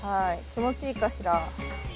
気持ちいいかしら。